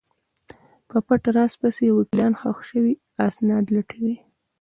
په پټ راز پسې وکیلان ښخ شوي اسناد لټوي.